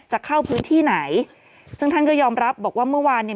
จะเข้าพื้นที่ไหนซึ่งท่านก็ยอมรับบอกว่าเมื่อวานเนี่ย